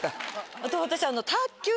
あと私。